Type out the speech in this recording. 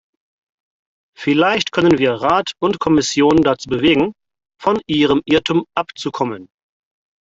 Vielleicht können wir Rat und Kommission dazu bewegen, von ihrem Irrtum abzukommen.